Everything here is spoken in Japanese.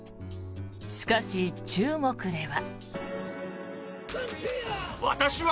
しかし、中国では。